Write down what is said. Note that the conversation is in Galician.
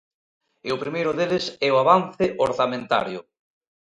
E o primeiro deles é o avance orzamentario.